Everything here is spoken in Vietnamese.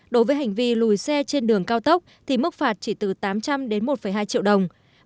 đối với hành vi lùi xe trên đường cao tốc thì mức phạt chỉ từ tám trăm linh đến một hai triệu đồng